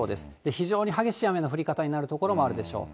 非常に激しい雨の降り方になる所もあるでしょう。